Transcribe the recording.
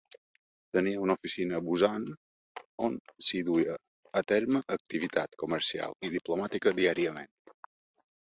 Tenia una oficina a Busan on s'hi duia a terme activitat comercial i diplomàtica diàriament.